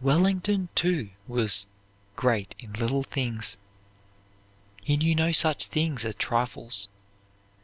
Wellington, too, was "great in little things." He knew no such things as trifles.